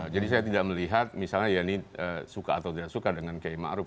jadi saya tidak melihat misalnya yanni suka atau tidak suka dengan km ma'ruf